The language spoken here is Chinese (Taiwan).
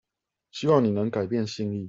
希望你能改變心意